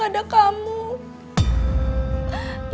kamu berapa tahun disana